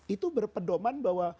itu berpedoman bahwa